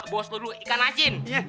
bos lu dulu ikan asin